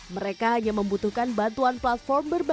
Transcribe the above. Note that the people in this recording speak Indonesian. mereka hanya membutuhkan bantuan platform berbeda